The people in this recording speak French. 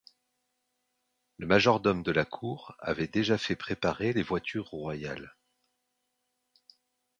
Le majordome de la cour avait déjà fait préparer les voitures royales.